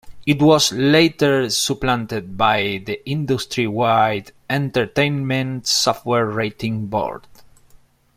It was later supplanted by the industry-wide Entertainment Software Rating Board.